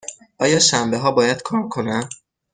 آیا شنبه ها باید کار کنم؟